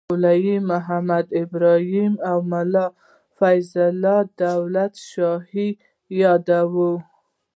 مولوي محمد ابراهیم او ملا فیض الله دولت شاهي یادوو.